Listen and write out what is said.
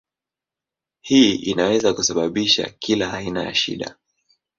Hii inaweza kusababisha kila aina ya shida.